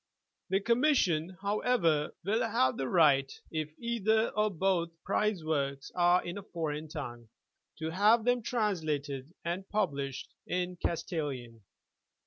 The Commission, however, will have the right, if either or both prize works are in a foreign tongue, to have them translated and published in Castilian.